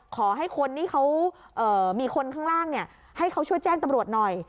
ขอให้คนที่เขามีคนข้างล่างให้เขาช่วยแจ้งตำรวจหน่อย